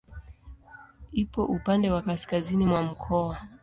Ipo upande wa kaskazini mwa mkoa.